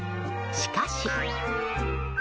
しかし。